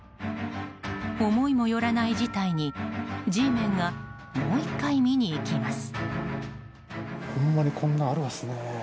思いもよらない事態にＧメンがもう１回見に行きます。